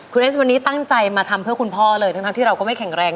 คุณเอสวันนี้ตั้งใจมาทำเพื่อคุณพ่อเลยทั้งที่เราก็ไม่แข็งแรง